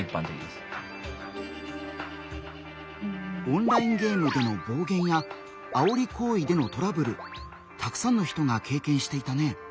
オンラインゲームでの暴言やあおり行為でのトラブルたくさんの人が経験していたね。